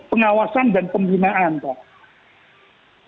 pengawasan dan pembinaan pak